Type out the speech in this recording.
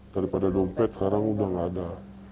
daripada dompet sekarang udah nggak ada